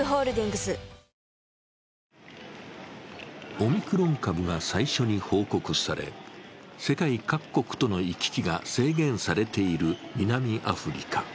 オミクロン株が最初に報告され、世界各国との行き来が制限されている南アフリカ。